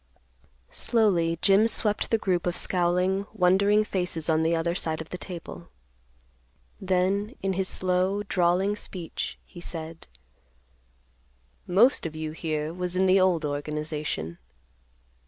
Slowly Jim swept the group of scowling, wondering faces on the other side of the table. Then, in his slow drawling speech, he said, "Most of you here was in the old organization.